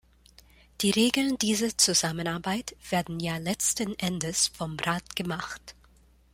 Die Regeln dieser Zusammenarbeit werden ja letzten Endes vom Rat gemacht.